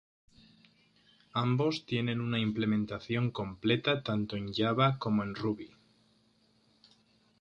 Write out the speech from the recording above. Ambos tienen una implementación completa tanto en Java como en Ruby.